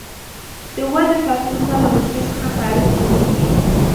د ودې فکټورونه له حجرې څخه خارج جوړیږي.